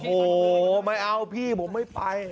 โอ้โหไม่เอาพี่ผมไม่ไป